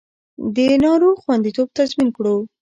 د ناروغ خوندیتوب تضمین کړو